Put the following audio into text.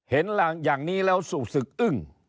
เห็นอย่างนี้แล้วสุสึกอึ้ง